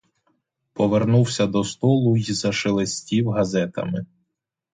Повернувся до столу й зашелестів газетами.